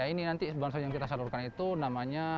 ini nanti bansos yang kita salurkan itu namanya